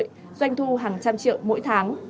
doanh thu hàng trăm triệu mỗi tháng